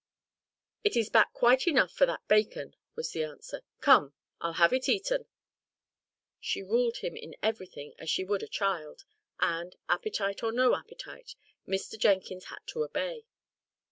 "It is back quite enough for that bacon," was the answer. "Come! I'll have it eaten." She ruled him in everything as she would a child; and, appetite or no appetite, Mr. Jenkins had to obey.